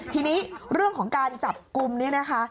ทีนี้เรื่องของการจับกลุ่มเนี่ยนะคะ